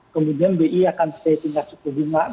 kemudian bi akan stay tinggal lima belas gitu ya